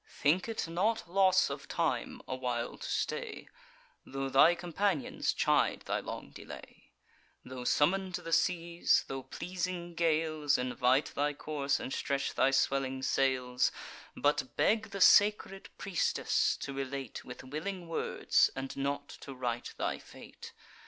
"'Think it not loss of time a while to stay, Tho' thy companions chide thy long delay; Tho' summon'd to the seas, tho' pleasing gales Invite thy course, and stretch thy swelling sails: But beg the sacred priestess to relate With willing words, and not to write thy fate.